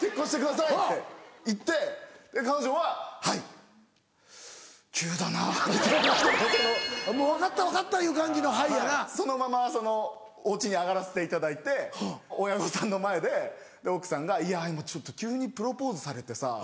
結婚してください」って言って彼女は「はい急だな」。もう分かった分かったいう感じの「はい」やな。そのままお家に上がらせていただいて親御さんの前で奥さんが「いや今ちょっと急にプロポーズされてさ」。